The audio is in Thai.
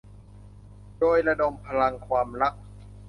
โดยระดมพลังความรัก